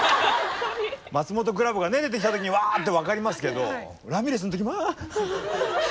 マツモトクラブが出てきた時にうわ！って分かりますけどラミレスの時もうわ！